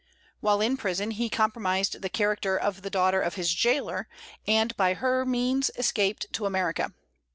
While in prison he compromised the character of the daughter of his jailer, and by her means escaped to America.